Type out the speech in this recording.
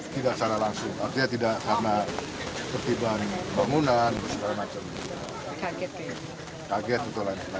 tidak secara langsung artinya tidak karena pertibaan bangunan dan segala macam